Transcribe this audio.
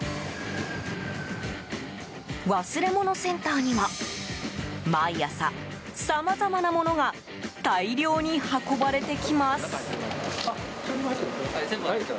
忘れ物センターには、毎朝さまざまなものが大量に運ばれてきます。